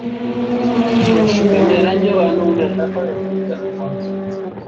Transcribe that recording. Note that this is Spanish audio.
En su primer año ganó una etapa del Tour de Japón.